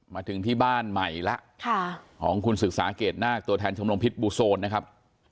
มาถึงที่บ้านใหม่แล้วของคุณศึกษาเกรดนาคตัวแทนชมรมพิษบูโซนนะครับ